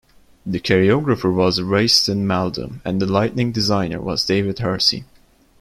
The choreographer was Royston Maldoom and the lighting designer was David Hersey.